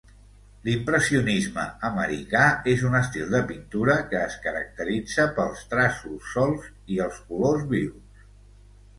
L'impressionisme americà és un estil de pintura que es caracteritza pels traços solts i els colors vius.